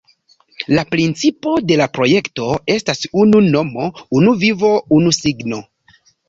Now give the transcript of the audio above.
La principo de la projekto estas “Unu nomo, unu vivo, unu signo”.